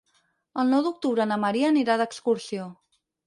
El nou d'octubre na Maria anirà d'excursió.